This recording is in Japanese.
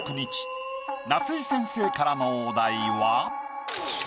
夏井先生からのお題は。